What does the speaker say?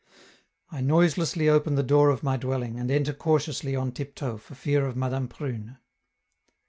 I noiselessly open the door of my dwelling, and enter cautiously on tiptoe, for fear of Madame Prune.